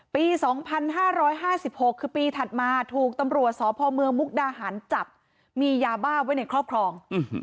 ปี๒๕๕๖คือปีถัดมาถูกตำรวจสพเมืองมุกดาหารจับมียาบ้าไว้ในครอบครอง